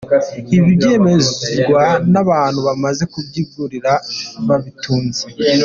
Ibi byemezwa n’abantu bamaze kubyigurira babitunze.